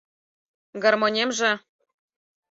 — Гармонемже...